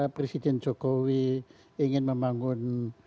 presiden jokowi ingin membangun